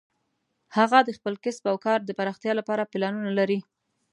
هغه د خپل کسب او کار د پراختیا لپاره پلانونه لري